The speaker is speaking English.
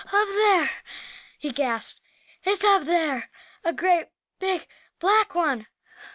"Up there!" he gasped. "It's up there! A great big black one!"